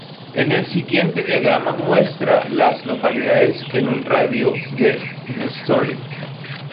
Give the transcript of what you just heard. El siguiente diagrama muestra a las localidades en un radio de de Story.